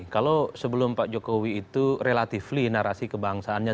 kalau sebelum pak jokowi itu relatively narasi kebangsaannya